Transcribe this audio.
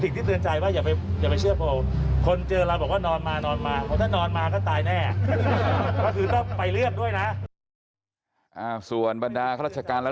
ขอบคุณครับ